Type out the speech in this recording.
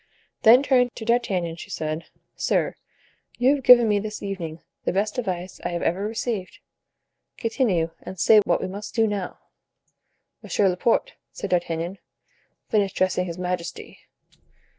Then turning to D'Artagnan, she said: "Sir, you have given me this evening the best advice I have ever received. Continue, and say what we must do now." "Monsieur Laporte," said D'Artagnan, "finish dressing his majesty."